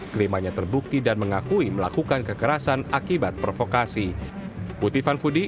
kelimanya terbukti dan mengakui melakukan kekerasan akibat provokasi